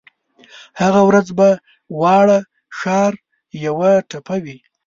هغه ورځ به واړه ښار یوه ټپه وي